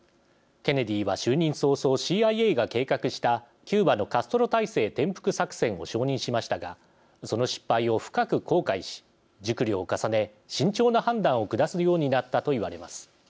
ケネディは、就任早々ＣＩＡが計画した、キューバのカストロ体制転覆作戦を承認しましたがその失敗を深く後悔し熟慮を重ね慎重な判断を下すようになったといわれます。